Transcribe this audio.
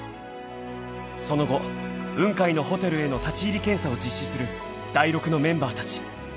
［その後雲海のホテルへの立入検査を実施するダイロクのメンバーたち］